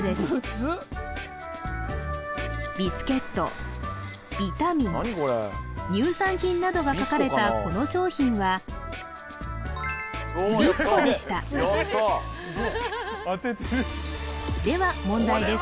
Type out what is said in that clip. ずっビスケットビタミン乳酸菌などが書かれたこの商品は「ビスコ」でしたでは問題です